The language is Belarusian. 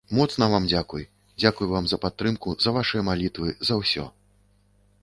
Моцна вам дзякуй, дзякуй вам за падтрымку, за вашыя малітвы, за ўсё.